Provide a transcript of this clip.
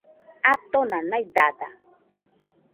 Atona naidada